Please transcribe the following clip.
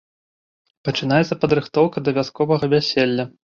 Пачынаецца падрыхтоўка да вясковага вяселля.